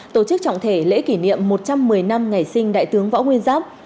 tổ chức trọng thể lễ kỷ niệm một trăm một mươi năm ngày sinh đại tướng võ nguyên giáp